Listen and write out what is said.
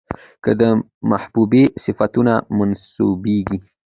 که د محبوبې صفتونه منسوبېږي،